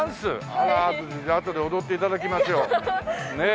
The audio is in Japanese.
あらじゃああとで踊って頂きましょうねえ。